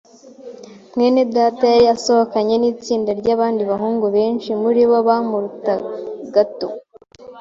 mwene data yari asohokanye nitsinda ryabandi bahungu, benshi muribo bamuruta gato.